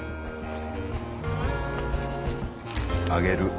あげる。